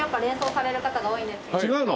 違うの？